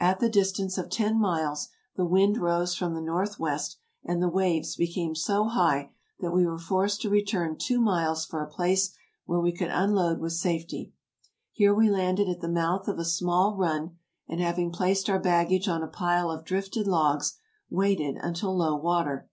At the distance of ten miles the wind rose from the north west, and the waves became so high that we were forced to return two miles for a place where we could unload with safety. Here we landed at the mouth of a small run, and, having placed our bag gage on a pile of drifted logs, waited until low water.